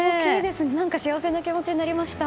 何か幸せな気持ちになりました。